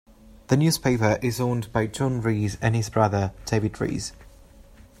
The newspaper is owned by John Raese and his brother David Raese.